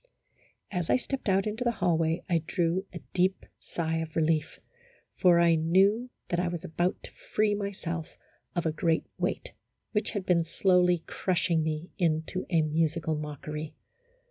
29 As I stepped out into the hallway, I drew a deep sigh of relief, for I knew that I was about to free myself of a great weight, which had been slowly crushing me into a musical mockery.